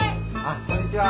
こんにちは。